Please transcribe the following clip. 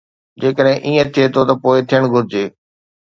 جيڪڏهن ائين ٿئي ته پوءِ ٿيڻ گهرجي.